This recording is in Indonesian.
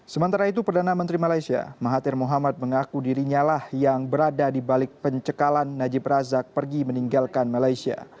sementara itu perdana menteri malaysia mahathir mohamad mengaku dirinya lah yang berada di balik pencekalan najib razak pergi meninggalkan malaysia